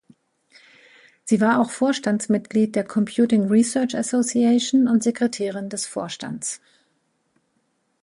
Sie war auch Vorstandsmitglied der Computing Research Association und Sekretärin des Vorstands.